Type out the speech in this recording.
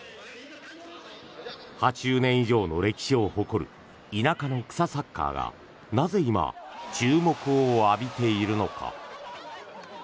８０年以上の歴史を誇るいなかの草サッカーがなぜ、今注目を浴びているのか。